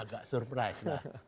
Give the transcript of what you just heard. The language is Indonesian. agak surprise lah